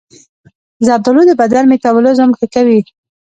زردآلو د بدن میتابولیزم ښه کوي.